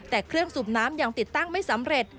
แต่เครื่องสูบน้ำยังติดตั้งไม่สำเร็จ